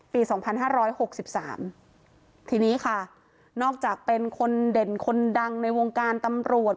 ปีสองพันห้าร้อยหกสิบสามทีนี้ค่ะนอกจากเป็นคนเด่นคนดังในวงการตำรวจ